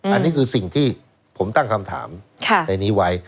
อันนี้คือสิ่งที่ผมตั้งคำถามในนี้ไว้